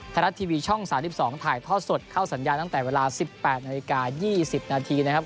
ธนทรัพย์ทีวีช่องสามสิบสองถ่ายทอดสดเข้าสัญญาณตั้งแต่เวลาสิบแปดนาฬิกายี่สิบนาทีนะครับ